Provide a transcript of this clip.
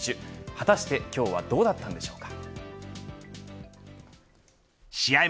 果たして今日はどうだったんでしょうか。